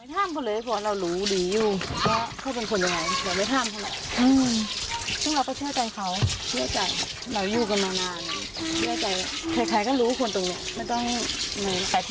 ไม่ต้องแต่ที่ผ่านมาสามีไม่เคยจะเยี่ยมเกี่ยวกับตัวเด็กแน่